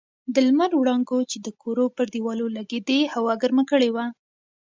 د لمر وړانګو چې د کورو پر دېوالو لګېدې هوا ګرمه کړې وه.